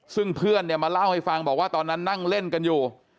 ซึ่งเพื่อนเนี่ยมาเล่าให้ฟังบอกว่าตอนนั้นนั่งเล่นกันอยู่